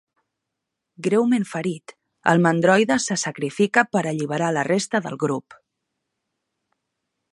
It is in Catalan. Greument ferit, el 'mandroide' se sacrifica per alliberar la resta del grup.